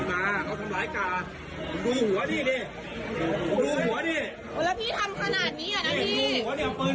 ไม่แล้วทำขนาดนี้มันเกินไปมั้ยอ่ะ